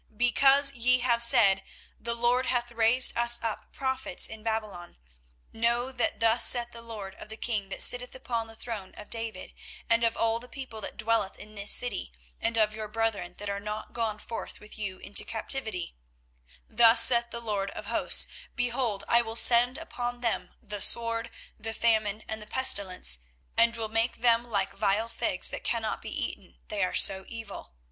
24:029:015 Because ye have said, The LORD hath raised us up prophets in Babylon; 24:029:016 Know that thus saith the LORD of the king that sitteth upon the throne of David, and of all the people that dwelleth in this city, and of your brethren that are not gone forth with you into captivity; 24:029:017 Thus saith the LORD of hosts; Behold, I will send upon them the sword, the famine, and the pestilence, and will make them like vile figs, that cannot be eaten, they are so evil.